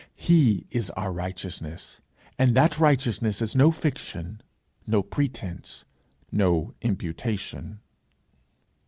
He is our righteousness, and that righteousness is no fiction, no pretence, no imputation.